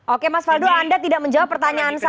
oke mas faldo anda tidak menjawab pertanyaan saya